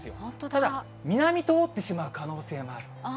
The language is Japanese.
ただ、南通ってしまう可能性がある。